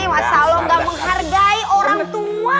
masya allah gak menghargai orang tua